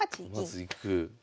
まずいく。